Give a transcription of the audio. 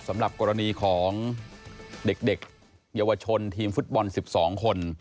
สำหรับกรณีของเด็กเยาวชนทีมฟุตบอล๑๒คน